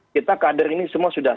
kita kader ini semua sudah